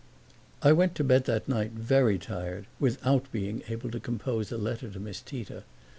I went to bed that night very tired, without being able to compose a letter to Miss Tita.